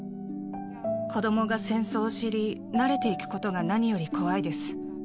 子どもが戦争を知り、慣れていくことが何より怖いです。